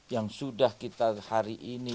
yang sudah kita hari ini